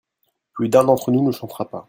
Plus d'un d'entre nous ne chantera pas.